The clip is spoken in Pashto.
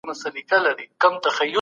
سیال هیواد ګډ بازار نه پریږدي.